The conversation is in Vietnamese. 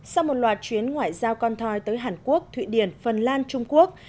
sau một loạt chuyến ngoại giao con thoi tới hàn quốc thụy điển phần lan trung quốc